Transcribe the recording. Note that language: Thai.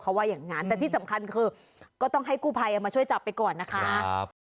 แต่ที่สำคัญคือก็ต้องให้กู้พัยเอามาช่วยจับไปก่อนนะคะ